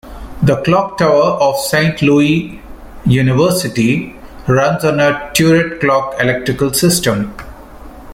The Clock Tower of Saint Louis University runs on a turret clock electrical system.